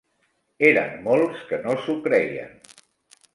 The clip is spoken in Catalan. Eren molts que no s'ho creien.